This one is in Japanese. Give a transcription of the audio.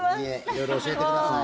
色々教えてください。